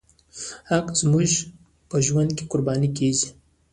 حق زموږ په ژوند کې قرباني کېږي.